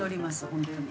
本当に。